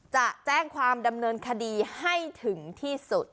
จะแจ้งความดำเนินคดีให้ถึงที่สุด